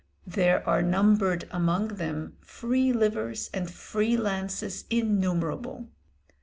There are numbered among them free livers and free lances innumerable.